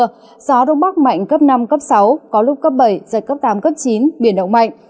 gió đông bắc mạnh cấp năm cấp sáu có lúc cấp bảy giật cấp tám cấp chín biển động mạnh